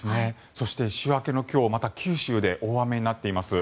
そして週明けの今日また九州で大雨になっています。